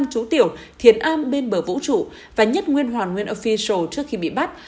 năm chú tiểu thiền am bên bờ vũ trụ và nhất nguyên hoàn nguyên official trước khi bị bắt